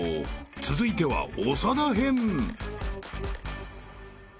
［続いては長田編］